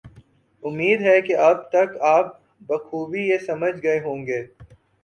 امید ہے کہ اب تک آپ بخوبی یہ سمجھ گئے ہوں گے